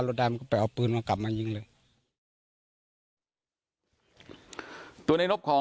แล้วพอเขากลุกกลายมาเข้ามาก็บอก